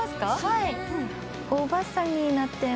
はい。